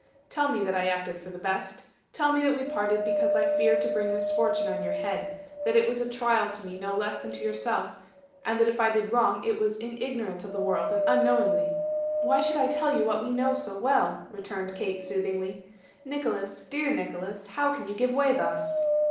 'Tell me that I acted for the best. Tell me that we parted because I feared to bring misfortune on your head; that it was a trial to me no less than to yourself, and that if I did wrong it was in ignorance of the world and unknowingly.' 'Why should I tell you what we know so well?' returned Kate soothingly. 'Nicholas dear Nicholas how can you give way thus?